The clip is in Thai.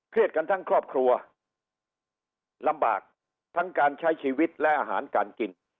กันทั้งครอบครัวลำบากทั้งการใช้ชีวิตและอาหารการกิน